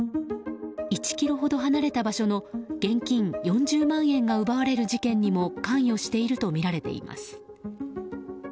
１ｋｍほど離れた場所の現金４０万円が奪われる事件にも関与しているとみられています。